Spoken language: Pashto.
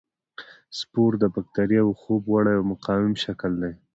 سپور د باکتریاوو یو خوب وړی او مقاوم شکل دی.